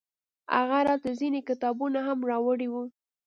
هغه راته ځينې کتابونه هم راوړي وو.